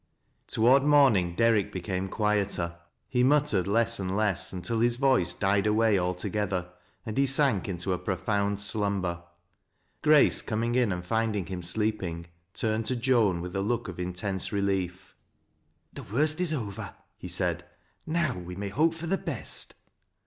Toward morning Derrick became quieter. He mut tered less and less until his voice died away altogether, and he sank into a profound slumber. Grace, coming in ind finding him sleeping, turned to Joan with a look oi iutouse relief. " The worst is over," he said ;" now we may hope for the best."